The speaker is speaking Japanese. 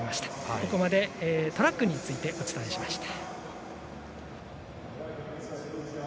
ここまでトラックについてお伝えしました。